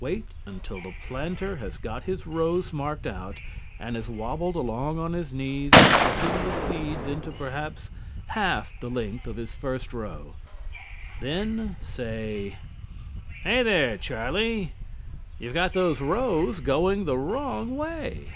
Wait until the planter has got his rows marked out and has wobbled along on his knees pressing the seeds into perhaps half the length of his first row. Then say: "Hey there, Charlie! You've got those rows going the wrong way."